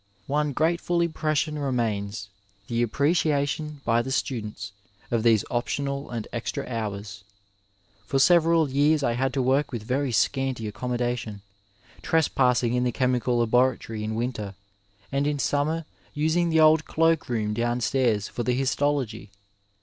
One grateful impression remains — the appreciation by the students of these optional and extra hours^ For several years I had to work with very scanty accommodation, tres passing in the chemical laboratory in winter, and in summer using the old cloak room downstairs for the histolo gy.